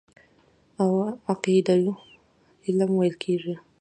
او عقيدو علم ويل کېږي.